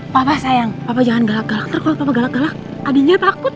papa sayang papa jangan galak galak terus kalau papa galak galak adiknya takut